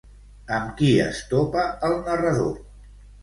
Amb qui es topa el narrador?